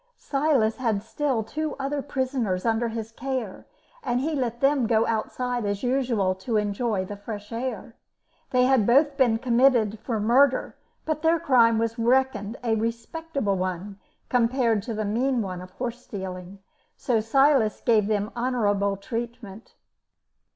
Silas had still two other prisoners under his care, and he let them go outside as usual to enjoy the fresh air. They had both been committed for murder, but their crime was reckoned a respectable one compared to the mean one of horse stealing, so Silas gave them honourable treatment.